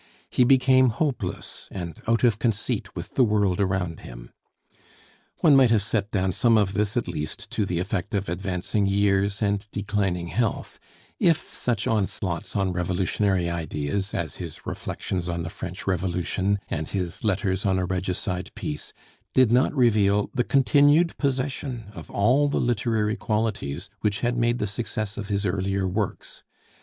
He became hopeless and out of conceit with the world around him. One might have set down some of this at least to the effect of advancing years and declining health, if such onslaughts on revolutionary ideas as his 'Reflections on the French Revolution' and his 'Letters on a Regicide Peace' did not reveal the continued possession of all the literary qualities which had made the success of his earlier works.